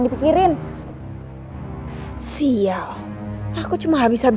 tapi karena kita berdua dulu